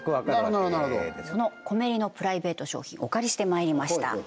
なるほどなるほどなるほどそのコメリのプライベート商品お借りしてまいりました